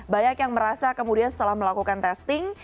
banyak yang merasa kemudian setelah melakukan testing